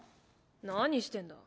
何してんだ？